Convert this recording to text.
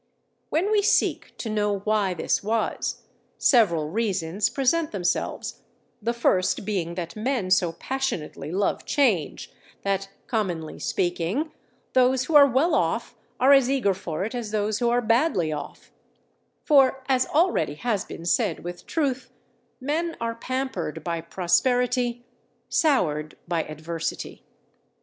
When we seek to know why this was, several reasons present themselves, the first being that men so passionately love change, that, commonly speaking, those who are well off are as eager for it as those who are badly off: for as already has been said with truth, men are pampered by prosperity, soured by adversity.